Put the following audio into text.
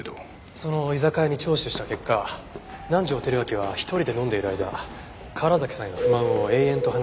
その居酒屋に聴取した結果南条輝明は１人で飲んでいる間河原崎さんへの不満を延々と話していたそうです。